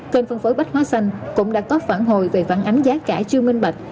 kênh phân phối bách hóa xanh cũng đã có phản hồi về phản ánh giá cả chưa minh bạch